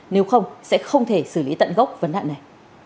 nếu không sẽ không thể xử lý tận gốc vấn nạn này